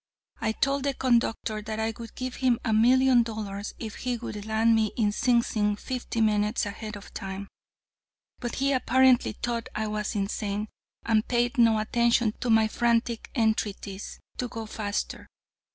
I told the conductor that I would give him a million dollars if he would land me in Sing Sing fifteen minutes ahead of time, but he apparently thought I was insane, and paid no attention to my frantic entreaties to go faster.